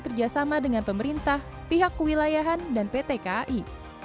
kerjasama dengan pemerintah pihak kewilayahan dan pt kai